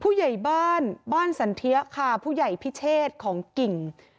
ผู้ใหญ่บ้านบ้านสันเทียค่ะผู้ใหญ่พิเชษของกิ่ง